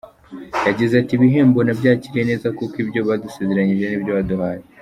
Yagize ati” Ibihembo nabyakiriye neza kuko ibyo badusezeranyije ni byo baduhaye.